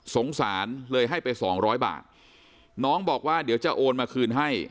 สงสารเลยให้ไปสองร้อยบาทน้องบอกว่าเดี๋ยวจะโอนมาคืนให้